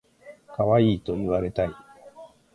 かわいいと言われたい